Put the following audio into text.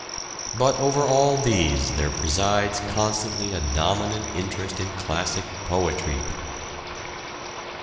But over all these there presides^constantly a dominant interest in classic poetry.